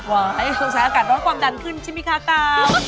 ว้าวต้องใช้อากาศและร้องความดันขึ้นใช่ไหมคะกาม